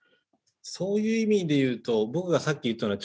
そういう意味で言うと僕がさっき言ったのは